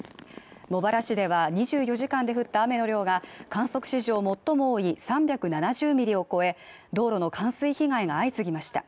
茂原市では２４時間で降った雨の量が観測史上最も多い３７０ミリを超え道路の冠水被害が相次ぎました